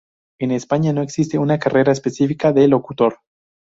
En España no existe una carrera específica de locutor.